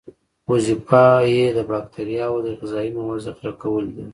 وظیفه یې د باکتریاوو د غذایي موادو ذخیره کول دي.